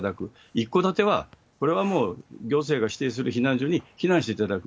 一戸建ては、これはもう行政が指定する避難所に避難していただく。